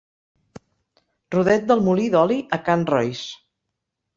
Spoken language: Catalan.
Rodet del molí d'oli a can Royce.